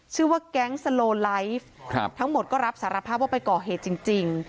ชื่อว่าแก๊งสโลไลฟ์ทั้งหมดก็รับสารภาพว่าไปก่อเหตุจริง